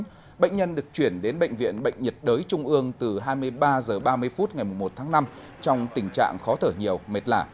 tuy nhiên bệnh nhân được chuyển đến bệnh viện bệnh nhiệt đới trung ương từ hai mươi ba h ba mươi phút ngày một tháng năm trong tình trạng khó thở nhiều mệt lả